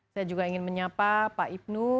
saya juga ingin menyapa pak ibnu